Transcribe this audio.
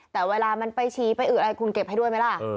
แต่เวลามันไปชี้ไปอืดอะไรคุณเก็บให้ด้วยไหมล่ะ